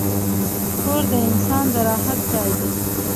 کور د انسان د راحت ځای دی.